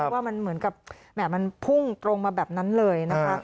ว่ามันเหมือนกับแหม่มันพุ่งตรงมาแบบนั้นเลยนะคะ